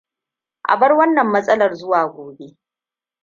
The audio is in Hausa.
Abar wannan matsalar zuwa gobe.